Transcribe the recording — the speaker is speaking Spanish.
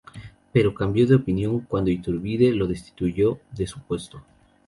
Pero cambió de opinión cuando Iturbide lo destituyó de su puesto.